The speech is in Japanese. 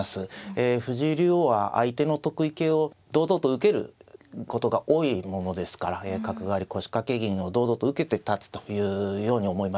ええ藤井竜王は相手の得意形を堂々と受けることが多いものですから角換わり腰掛け銀を堂々と受けて立つというように思います。